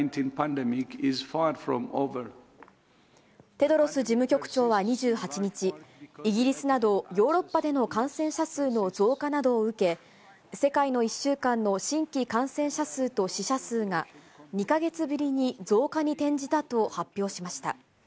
テドロス事務局長は２８日、イギリスなど、ヨーロッパでの感染者数の増加などを受け、世界の１週間の新規感染者数と死者数が、２か月ぶりに増加に転じたと発表しました。